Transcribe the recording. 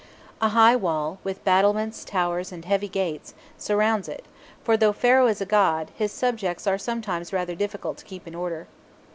A high wall, with battlements, towers, and heavy gates, surrounds it; for, though Pharaoh is a god, his subjects are sometimes rather difficult to keep in order.